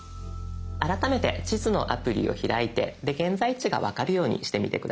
改めて地図のアプリを開いて現在地が分かるようにしてみて下さい。